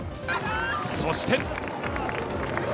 そして。